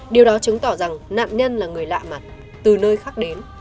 điều đó chứng tỏ rằng nạn nhân là người lạ mặt từ nơi khác đến